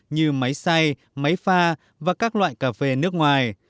như máy xay máy pha và các loại cà phê nước ngoài